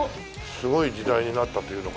すごい時代になったというのか。